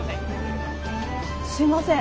すいません。